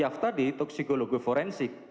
yang dijelaskan disini toksikologi forensik